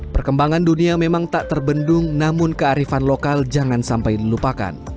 perkembangan dunia memang tak terbendung namun kearifan lokal jangan sampai dilupakan